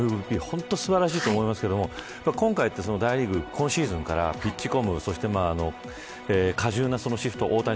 本当に素晴らしいと思いますが今回、大リーグ今シーズンからピッチコム過重なシフト